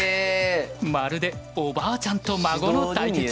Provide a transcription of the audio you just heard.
まるでおばあちゃんと孫の対決！